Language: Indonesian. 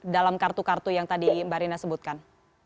dalam kartu kartu yang tadi mbak rina sebutkan